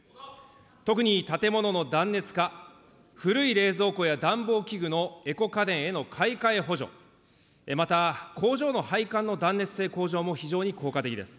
特に建物の断熱化、古い冷蔵庫や暖房器具の、エコ家電への買い替え補助、また、工場の配管の断熱性向上も非常に効果的です。